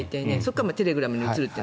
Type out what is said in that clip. そこからテレグラムに移ると。